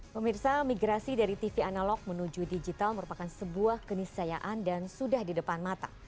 pemirsa migrasi dari tv analog menuju digital merupakan sebuah kenisayaan dan sudah di depan mata